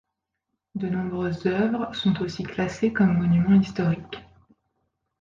De nombreuses œuvres sont aussi classées comme monuments historiques.